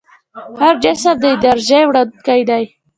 هر جسم د انرژۍ وړونکی دی.